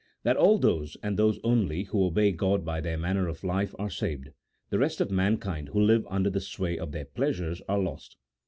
That all those, and those only, who obey God by their manner of life are saved ; the rest of mankind, who live under the sway of their pleasures, are lost.